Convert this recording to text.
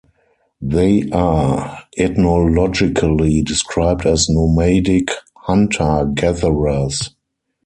They are ethnologically described as nomadic hunter-gatherers.